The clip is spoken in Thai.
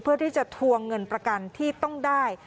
เพื่อที่จะทวงเงินประกันที่ต้องได้